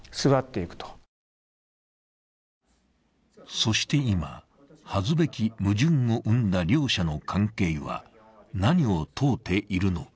そして今、恥ずべき矛盾を生んだ両者の関係は、何を問うているのか。